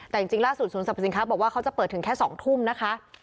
แต่จริงล่าสุดศูนย์สรรพสินค้าบอกว่าเขาจะเปิดถึงแค่๒ทุ่มนะคะ